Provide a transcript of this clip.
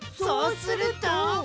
そうすると？